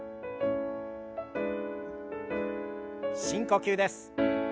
深呼吸です。